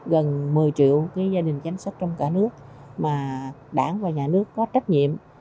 gần một mươi triệu gia đình chính sách trong cả nước mà đảng và nhà nước có trách nhiệm